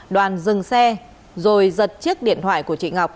đoàn dừng xe rồi giật chiếc điện thoại của chị ngọc